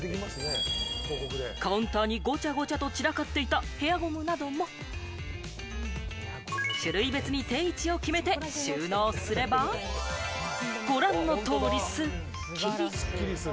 カウンターにごちゃごちゃと散らかっていたヘアゴムなども種類別に定位置を決めて収納すれば、ご覧の通りすっきり。